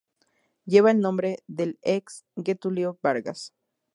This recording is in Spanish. Lleva el nombre del ex Getúlio Vargas.